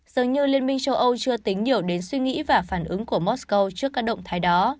dường như liên minh châu âu chưa tính nhiều đến suy nghĩ và phản ứng của moscow trước các động thái đó